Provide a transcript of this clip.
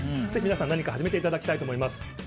ぜひ皆さん、何か始めていただきたいと思います。